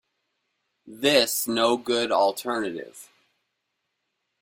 This no good alternative.